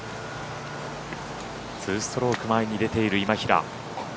２ストローク前に出ている今平。